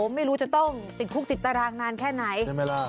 ไม่รู้จะต้องติดคลุกติดตารางนานแค่ไหน